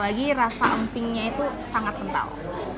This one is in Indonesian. jadi rasa empingnya itu sangat kental